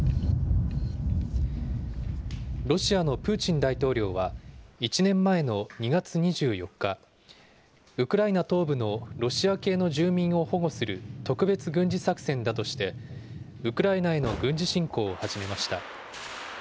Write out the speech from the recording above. ロシアのプーチン大統領は１年前の２月２４日、ウクライナ東部のロシア系の住民を保護する特別軍事作戦だとして、ウクライナへの軍事侵攻を始めました。